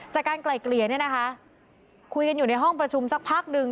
จากการไกลเกลียร์คุยกันอยู่ในห้องประชุมสักพักหนึ่ง